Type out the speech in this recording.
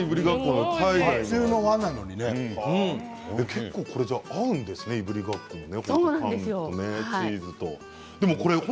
結構、合うんですねいぶりがっことチーズと。